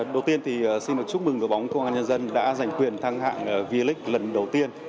đầu tiên thì xin một chúc mừng với bóng công an nhân dân đã giành quyền thăng hạng vì lịch lần đầu tiên